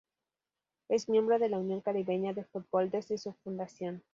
Es miembro de la Unión Caribeña de Fútbol desde su fundación.